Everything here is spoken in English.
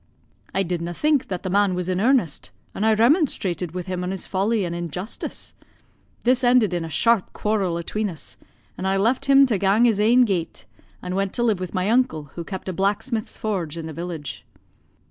"I did na' think that the man was in earnest, an' I remonstrated with him on his folly an' injustice. This ended in a sharp quarrel atween us, and I left him to gang his ain gate, an' went to live with my uncle, who kept a blacksmith's forge in the village.